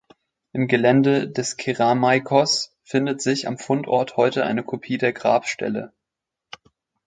Im Gelände des Kerameikos findet sich am Fundort heute eine Kopie der Grabstele.